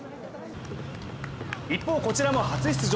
一方、こちらも初出場。